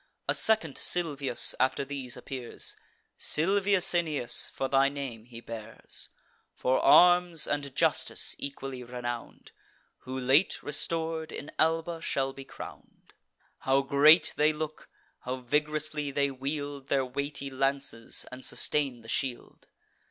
A second Silvius after these appears; Silvius Aeneas, for thy name he bears; For arms and justice equally renown'd, Who, late restor'd, in Alba shall be crown'd. How great they look! how vig'rously they wield Their weighty lances, and sustain the shield!